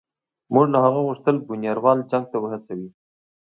موږ له هغه وغوښتل بونیروال جنګ ته وهڅوي.